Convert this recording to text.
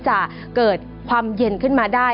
จะเกิดความเย็นขึ้นมาได้